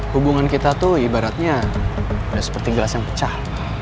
hubungan kita tuh ibaratnya seperti gelas yang pecah